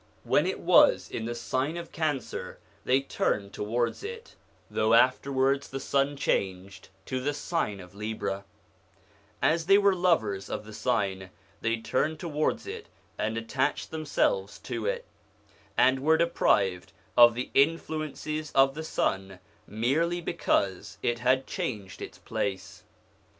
When it was in the sign of Cancer they turned towards it, though afterwards the sun changed to the sign of Libra; as they were lovers of the sign, they turned towards it and attached themselves to it, and were deprived of the influences of the sun merely because it had changed its place.